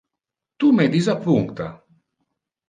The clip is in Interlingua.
Tu me disappuncta.